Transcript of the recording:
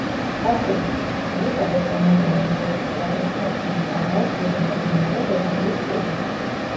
დაშვების ფურცელი, სადაც რომელიმე უნივერსიტეტი ადასტურებს რომ მზადაა სტუდენტად მიიღოს ესა თუ ის პირი.